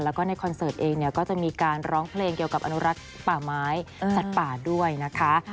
แล้วก็ในคอนเสิร์ตเองเนี่ยก็จะมีการร้องเพลงเกี่ยวกับอนุรักษ์ป่าไม้สัตว์ป่าด้วยนะคะ